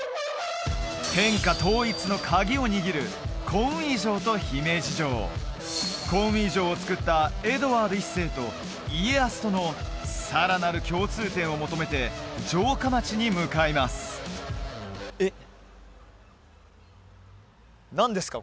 天下統一のカギを握るコンウィ城と姫路城コンウィ城を造ったエドワード１世と家康とのさらなる共通点を求めて城下町に向かいます何ですか？